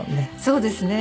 そうですね。